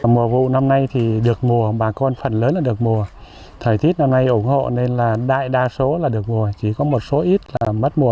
mùa vụ năm nay thì được mùa bà con phần lớn là được mùa thời tiết năm nay ủng hộ nên là đại đa số là được mùa chỉ có một số ít là mất mùa